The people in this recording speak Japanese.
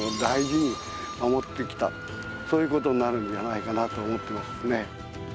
そういう事になるんじゃないかなと思ってますね。